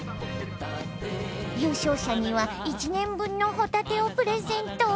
優勝者には１年分のホタテをプレゼント！